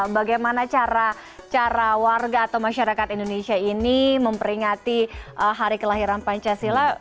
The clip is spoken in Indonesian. bagaimana cara warga atau masyarakat indonesia ini memperingati hari kelahiran pancasila